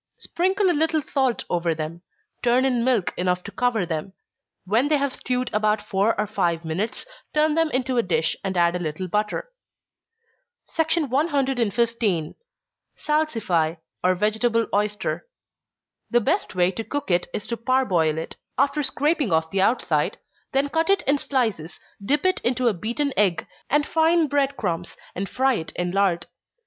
Sprinkle a little salt over them turn in milk enough to cover them. When they have stewed about four or five minutes, turn them into a dish, and add a little butter. 115. Salsify or Vegetable Oyster. The best way to cook it is to parboil it, (after scraping off the outside,) then cut it in slices, dip it into a beaten egg, and fine bread crumbs, and fry it in lard.